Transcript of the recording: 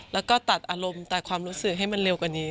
แล้วก็ตัดอารมณ์ตัดความรู้สึกให้มันเร็วกว่านี้